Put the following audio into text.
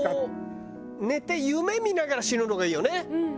寝て夢見ながら死ぬのがいいよね。